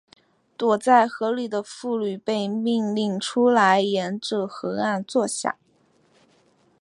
躲在河里的妇女被命令出来沿着河岸坐下。